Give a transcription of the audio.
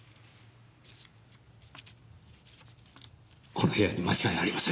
この部屋に間違いありません。